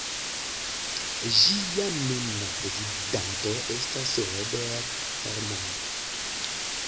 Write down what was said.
Ĝia nuna prezidanto estas Robert Herrmann.